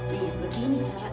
nih begini caranya nih